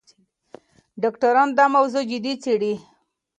ډاکټران دا موضوع جدي څېړي.